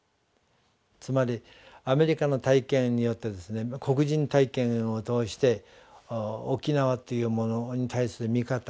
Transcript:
つまりアメリカの体験によって黒人体験を通して沖縄というものに対する見方